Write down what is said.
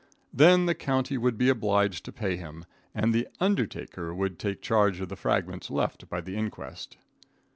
Then the county would be obliged to pay him, and the undertaker could take charge of the fragments left by the inquest.